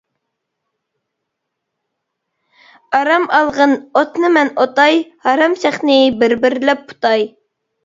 ئارام ئالغىن ئوتنى مەن ئوتاي، ھارام شاخنى بىر-بىرلەپ پۇتاي.